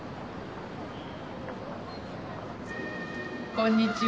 こんにちは。